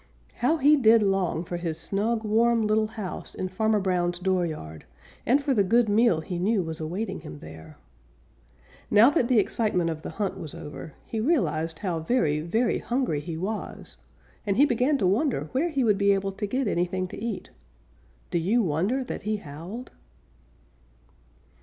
How he did long for his snug, warm, little house in Farmer Brown's dooryard, and for the good meal he knew was awaiting him there. Now that the excitement of the hunt was over, he realized how very, very hungry he was, and he began to wonder where he would be able to get anything to eat. Do you wonder that he howled?